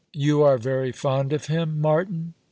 " You are very fond of him, Martin